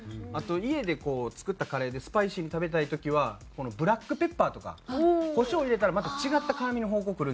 あと家で作ったカレーでスパイシーに食べたい時はブラックペッパーとかコショウ入れたらまた違った辛みの方向